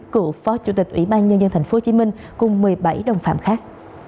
cựu phó chủ tịch ủy ban nhân dân tp hcm cùng một mươi bảy đồng phạm khác